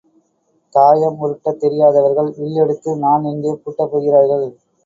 தாயம் உருட்டத் தெரியாதவர்கள் வில் எடுத்து நாண் எங்கே பூட்டப் போகிறார்கள்?